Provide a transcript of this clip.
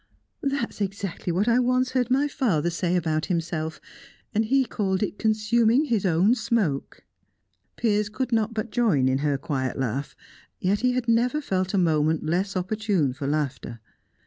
"That's exactly what I once heard my father say about himself. And he called it consuming his own smoke." Piers could not but join in her quiet laugh, yet he had never felt a moment less opportune for laughter.